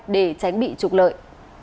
để tránh bị trục lợi